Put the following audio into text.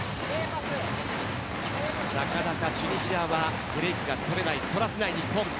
なかなかチュニジアはブレークが取れないそして取らせないという日本。